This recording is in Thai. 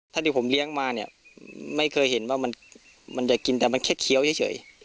ถ้าที่ผมเลี้ยงมาเนี่ยไม่เคยเห็นว่ามันจะกินแต่มันแค่เคี้ยวเฉย